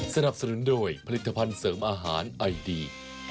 สนับสนุนโดยผลิตภัณฑ์เสริมอาหารไอดี